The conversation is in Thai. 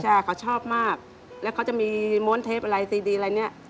ใช่เขาชอบมากแล้วเขาจะมีม้วนเทปอะไรดีอะไรเนี้ย